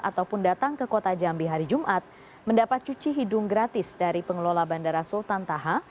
ataupun datang ke kota jambi hari jumat mendapat cuci hidung gratis dari pengelola bandara sultan taha